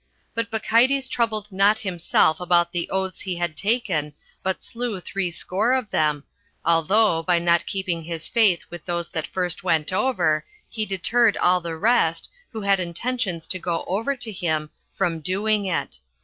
But Bacchides troubled not himself about the oaths he had taken, but slew threescore of them, although, by not keeping his faith with those that first went over, he deterred all the rest, who had intentions to go over to him, from doing it.